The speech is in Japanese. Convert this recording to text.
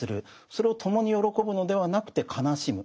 それを共に喜ぶのではなくて悲しむ。